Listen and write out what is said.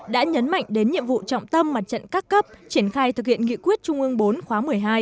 đã nhấn mạnh đến nhiệm vụ trọng tâm mặt trận các cấp triển khai thực hiện nghị quyết trung ương bốn khóa một mươi hai